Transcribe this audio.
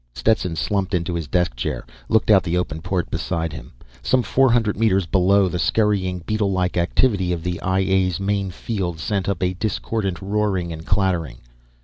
Stetson slumped into his desk chair, looked out the open port beside him. Some four hundred meters below, the scurrying beetlelike activity of the I A's main field sent up discordant roaring and clattering.